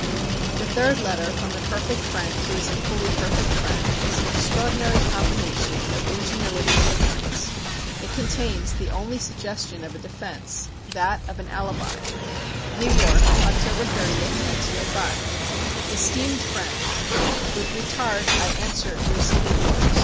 The third letter from the perfect friend to his equally perfect friend is an extraordinary combination of ingenuity and ignorance. It contains the only suggestion of a defence that of an alibi. NEW YORK, October 30, 1905. ESTEEMED FRIEND: With retard I answer in receiving yours.